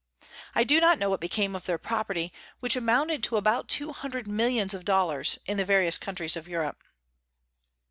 I do not know what became of their property, which amounted to about two hundred millions of dollars, in the various countries of Europe.